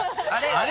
あれ？